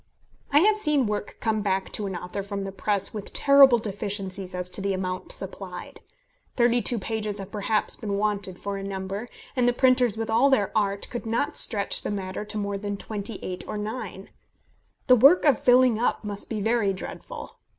I have seen work come back to an author from the press with terrible deficiencies as to the amount supplied. Thirty two pages have perhaps been wanted for a number, and the printers with all their art could not stretch the matter to more than twenty eight or nine! The work of filling up must be very dreadful.